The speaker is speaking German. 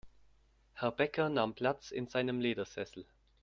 Herr Bäcker nahm Platz in seinem Ledersessel.